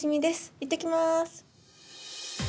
いってきます。